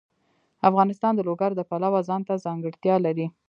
افغانستان د لوگر د پلوه ځانته ځانګړتیا لري.